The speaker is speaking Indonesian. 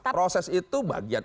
proses itu bagian